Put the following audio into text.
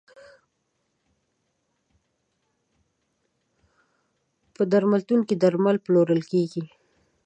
په درملتون کې درمل پلورل کیږی.